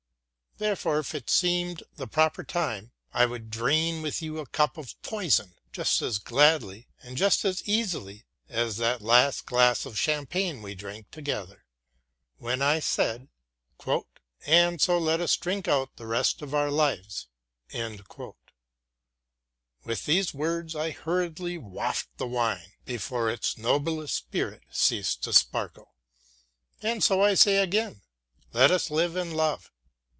Therefore, if it seemed the proper time, I would drain with you a cup of poison, just as gladly and just as easily as that last glass of champagne we drank together, when I said: "And so let us drink out the rest of our lives." With these words I hurriedly quaffed the wine, before its noble spirit ceased to sparkle. And so I say again, let us live and love.